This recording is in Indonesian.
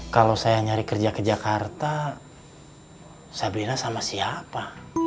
kalau saya nyari kerja ke jakarta sabrina sama siapa